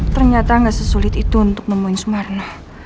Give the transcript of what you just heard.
ternyata nggak sesulit itu untuk nemuin sumarno